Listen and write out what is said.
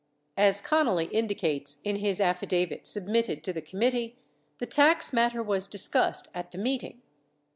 As Connally indicates in his affidavit submitted to the committee, the tax matter was discussed at the meeting.